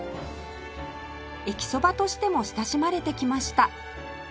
駅そばとしても親しまれてきました